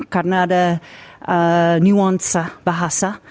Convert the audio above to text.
karena ada nuansa bahasa